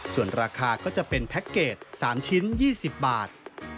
ส่วนราคาก็จะเป็นแพ็คเกจ๓ชิ้น๒๐บาท